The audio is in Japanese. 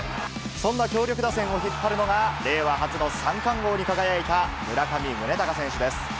そんな強力打線を引っ張るのが、令和初の三冠王に輝いた村上宗隆選手です。